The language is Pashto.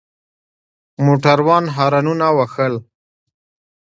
موټروان هارنونه وهل.